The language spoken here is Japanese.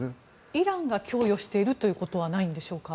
イランが供与しているということはないんでしょうか。